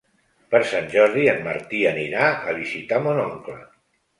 Per Sant Jordi en Martí anirà a visitar mon oncle.